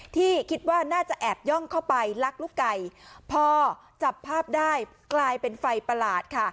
ที่คิดว่าน่าจะแอบย่องเข้าไปลักลูกไก่พอจับภาพได้กลายเป็นไฟประหลาดค่ะ